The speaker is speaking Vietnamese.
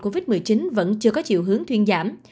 covid một mươi chín vẫn chưa có chiều hướng thuyên giảm